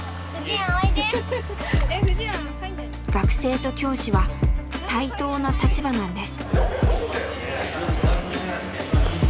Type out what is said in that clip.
学生と教師は対等な立場なんです。